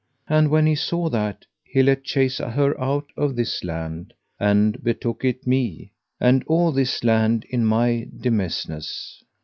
And when he saw that, he let chase her out of this land, and betook it me, and all this land in my demesnes.